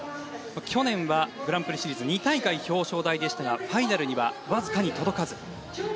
去年はグランプリシリーズ２大会表彰台でしたがファイナルにはわずかに届かず。